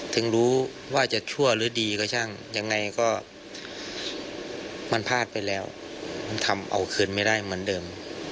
ถึงรู้ว่าจะชั่วหรือดีก็ช่างยังไงก็มันพลาดไปแล้วมันทำเอาคืนไม่ได้เหมือนเดิม